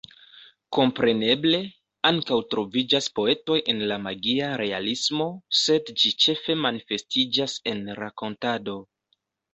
Kompreneble, ankaŭ troviĝas poetoj en la magia realismo, sed ĝi ĉefe manifestiĝas en rakontado.